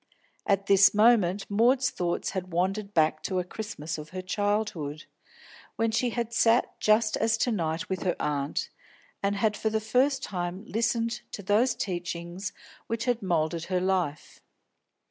At this moment Maud's thoughts had wandered back to a Christmas of her childhood, when she had sat just as to night with her aunt, and had for the first time listened to those teachings which had moulded her life.